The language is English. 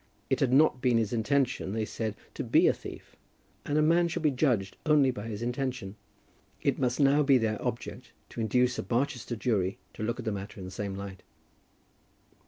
It had not been his intention, they said, to be a thief, and a man should be judged only by his intention. It must now be their object to induce a Barchester jury to look at the matter in the same light.